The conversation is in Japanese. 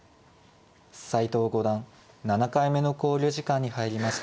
斎藤五段７回目の考慮時間に入りました。